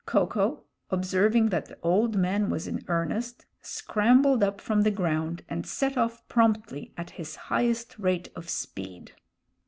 Ko ko, observing that the old man was in earnest, scrambled up from the ground and set off promptly at his highest rate of speed.